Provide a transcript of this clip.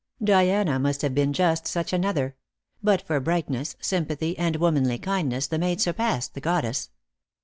Diana must have been just such another; but for brightness, sympathy, and womanly kindness the maid surpassed the goddess.